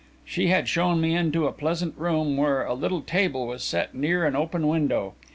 She had shown me into a pleasant room, where a little table was set near an open window.